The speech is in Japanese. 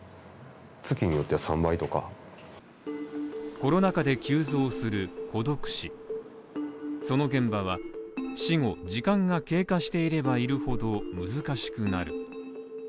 コロナ禍で急増する孤独死その現場は死後時間が経過していればいるほど難しくなる。